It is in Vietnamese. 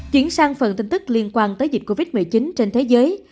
chuyển sang phần tin tức liên quan tới dịch covid một mươi chín trên thế giới